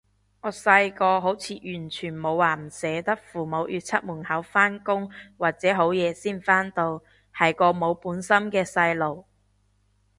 我細個好似完全冇話唔捨得父母要出門口返工或者好夜先返到，係個冇本心嘅細路